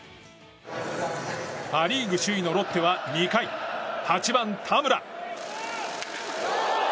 パ・リーグ首位のロッテは２回８番、田村。